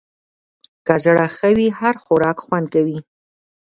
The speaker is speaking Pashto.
که زړه ښه وي، هر خوراک خوند کوي.